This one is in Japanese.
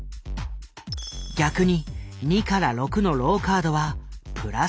逆に２から６のローカードは＋１。